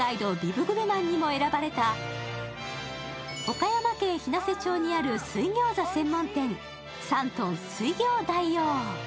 岡山県日生町にある水餃子専門店、山東水餃子大王。